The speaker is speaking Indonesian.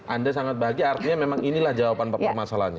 anda sangat bahagia artinya inilah jawaban masalahnya